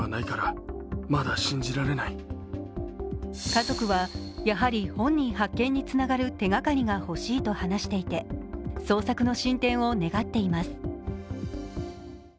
家族は、やはり本人発見につながる手がかりが欲しいと話していて捜索の進展を願っています。